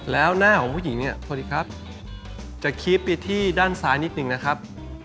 แล้วหน้าของผู้หญิงเนี่ยสวัสดีครับจะคีบไปที่ด้านซ้ายนิดนึงนะครับ